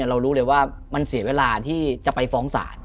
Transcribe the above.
เรารู้เลยว่ามันเสียเวลาที่จะไปฟ้องศาล